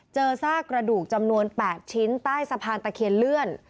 ซากระดูกจำนวน๘ชิ้นใต้สะพานตะเคียนเลื่อน